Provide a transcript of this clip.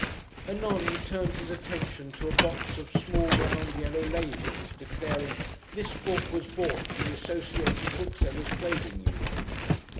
Anon he turns his attention to a box of small, round, yellow labels, declaring "This book was bought from the Associated Booksellers' Trading Union."